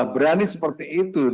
berani seperti itu